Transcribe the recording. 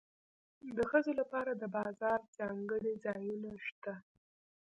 د ښځو لپاره د بازار ځانګړي ځایونه شته